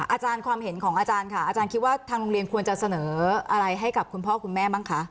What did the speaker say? อาจารย์ความเห็นของอาจารย์ค่ะอาจารย์คิดว่าทางโรงเรียนควรจะเสนออะไรให้กับคุณพ่อคุณแม่บ้างคะ